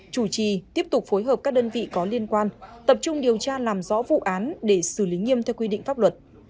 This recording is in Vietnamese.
chủ trì tiếp tục phối hợp các đơn vị có liên quan tập trung điều tra làm rõ vụ án để xử lý nghiêm theo quy định pháp luật